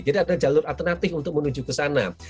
jadi ada jalur alternatif untuk menuju ke sana